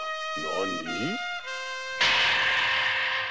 なに？